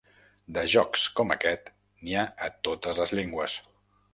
De jocs com aquest n'hi ha a totes les llengües.